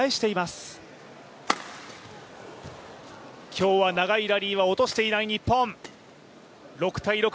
今日は長いラリーは落としていない日本。